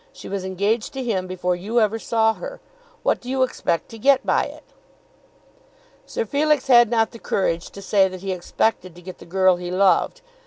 She was engaged to him before you ever saw her. What do you expect to get by it?" Sir Felix had not the courage to say that he expected to get the girl he loved.